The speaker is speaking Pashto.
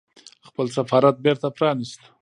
خپل سفارت بېرته پرانيست